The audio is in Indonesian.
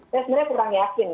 saya sebenarnya kurang yakin